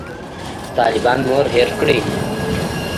طالبان نور هېر کړي.